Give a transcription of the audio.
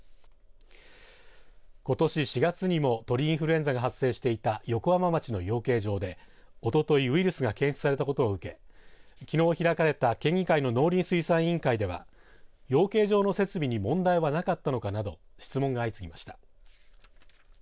ことし４月にも鳥インフルエンザが発生していた横浜町の養鶏場でおとといウイルスが検出されたことを受けきのう開かれた県議会の農林水産委員会では養鶏場の設備に問題はなかったのかなど質問が相次ぎました。